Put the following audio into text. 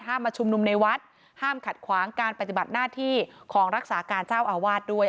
มาชุมนุมในวัดห้ามขัดขวางการปฏิบัติหน้าที่ของรักษาการเจ้าอาวาสด้วย